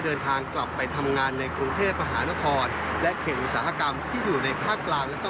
เดินทางกลับไปทำงานในกรุงเทพมหานครและเขตอุตสาหกรรมที่อยู่ในภาคกลางแล้วก็